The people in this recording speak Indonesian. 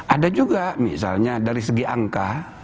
ada juga misalnya dari segi angka